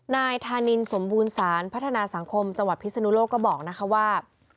นายธานินสมบูรณสารพัฒนาสังคมจังหวัดพิศนุโลกก็บอกนะคะว่า